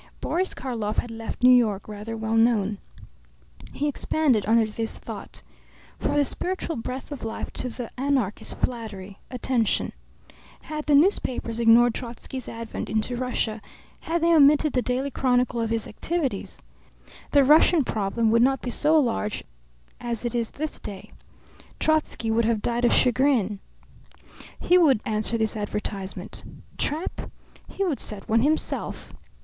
Boris Karlov had left New York rather well known. He expanded under this thought. For the spiritual breath of life to the anarch is flattery, attention. Had the newspapers ignored Trotzky's advent into Russia, had they omitted the daily chronicle of his activities, the Russian problem would not be so large as it is this day. Trotzky would have died of chagrin. He would answer this advertisement. Trap? He would set one himself.